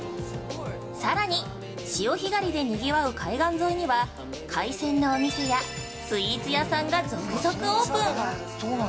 さらに、潮干狩りで賑わう海岸沿いには海鮮のお店やスイーツ屋さんが続々オープン！